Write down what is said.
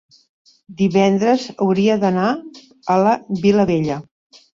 Divendres hauria d'anar a la Vilavella.